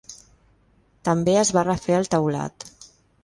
També es va refer el teulat.